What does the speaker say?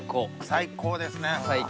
最高ですね。